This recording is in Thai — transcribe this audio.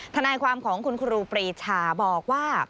ทนายความของคุณครูปรีชาบอกว่า